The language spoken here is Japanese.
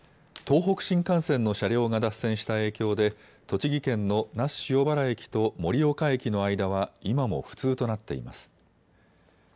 東北新幹線の車両が脱線した影響で栃木県の那須塩原駅と盛岡駅の間は今も不通となっています。